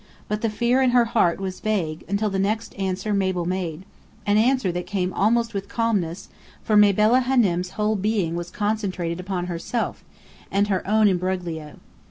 But the fear in her heart was vague, until the next answer Mabel made an answer that came almost with calmness; for Mabella Hânem's whole being was concentrated upon herself, and her own imbroglio.